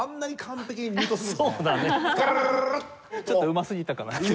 ちょっとうますぎたかな。